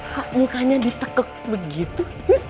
kok mukanya ditekek begitu